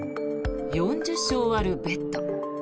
４０床あるベッド。